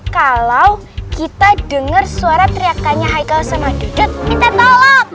kalau kita dengar suara teriakannya haikal sama dudut minta tolong